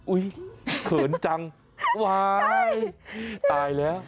เขินจังว้ายตายแล้ว